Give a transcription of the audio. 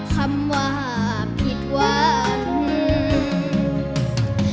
คำว่าผิดหวัง